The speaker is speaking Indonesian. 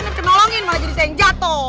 nanti kan nolongin malah jadi saya yang jatoh